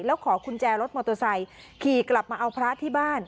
แล้วขอกุญแจรถมอเตอร์ไซค์ขี่กลับมาเอาพระที่บ้าน